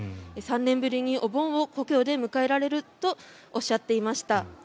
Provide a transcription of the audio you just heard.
３年ぶりにお盆を故郷で迎えられるとおっしゃっていました。